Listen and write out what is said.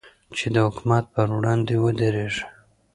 چې د حکومت پر وړاندې ودرېږي.